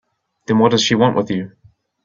Then what does she want with you?